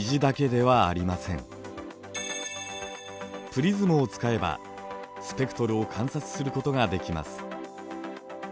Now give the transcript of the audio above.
プリズムを使えばスペクトルを観察することができます。